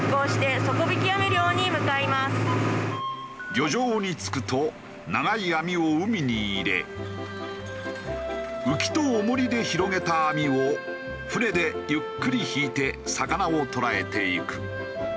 漁場に着くと長い網を海に入れウキと重りで広げた網を船でゆっくり引いて魚をとらえていく。